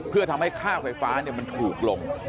เพื่อทำให้ค่าไฟฟ้ามันถูกลง